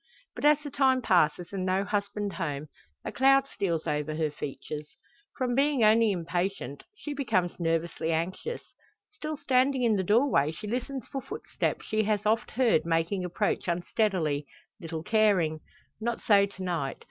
But as the time passes and no husband home, a cloud steals over her features. From being only impatient, she becomes nervously anxious. Still standing in the door she listens for footsteps she has oft heard making approach unsteadily, little caring. Not so to night.